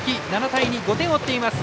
７対２、５点を追っています。